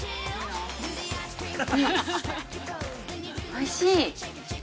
◆おいしい。